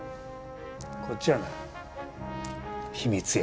こっちはな秘密や。